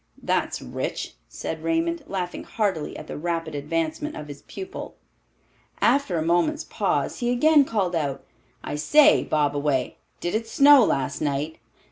That's rich," said Raymond, laughing heartily at the rapid advancement of his pupil. After a moment's pause, he again called out, "I say, Bobaway, did it snow last night?"